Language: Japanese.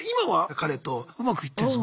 彼とうまくいってるんです？